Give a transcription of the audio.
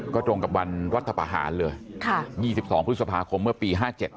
ก็ตรงกับวันรัฐประหารเลย๒๒พฤษภาคมเมื่อปี๕๗